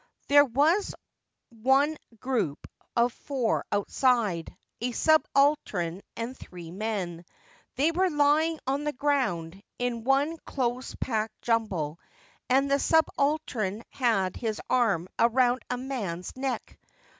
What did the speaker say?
... There was one group of four outside, a subaltern and three men. They were lying on the ground, in one close packed jumble, and the subaltern had his arm around a man's neck.